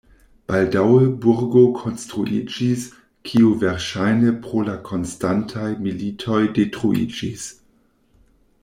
Baldaŭe burgo konstruiĝis, kiu verŝajne pro la konstantaj militoj detruiĝis.